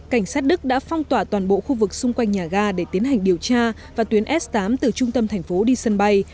cảnh sát đức đã phong tỏa toàn bộ khu vực xung quanh nhà ga để tiến hành điều tra và tuyến s tám từ trung tâm thành phố đi sân bay